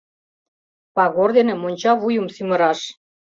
Пагор дене монча вуйым сӱмыраш!